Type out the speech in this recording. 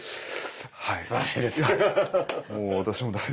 すばらしいです！